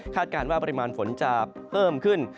การว่าปริมาณฝนจะเพิ่มขึ้น